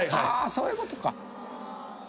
あそういうことか。